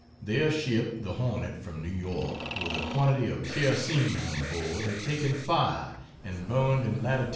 Their ship, the Hornet, from New York, with a quantity of kerosene on board had taken fire and burned in Lat.